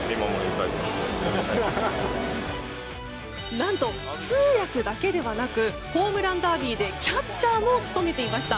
何と通訳だけではなくホームランダービーでキャッチャーも務めていました。